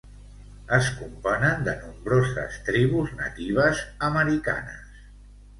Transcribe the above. Es componen de nombroses tribus natives Americanes.